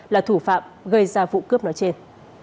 là thủ phạm gây ra vụ cướp nói trên